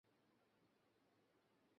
না, পেনি।